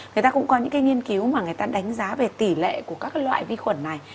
người ta cũng có những cái nghiên cứu mà người ta đánh giá về tỷ lệ của các loại vi khuẩn này